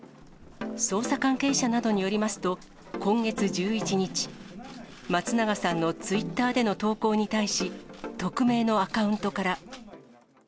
捜査関係者などによりますと、今月１１日、松永さんのツイッターでの投稿に対し、匿名のアカウントから。